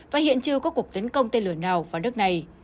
và hiện chưa có cuộc tấn công tên lửa nào vào nước này